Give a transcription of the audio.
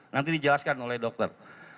nanti dijelaskan oleh dokter